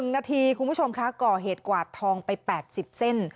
๑นาทีคุณผู้ชมคะก่อเหตุกวาดทองไป๘๐เส้น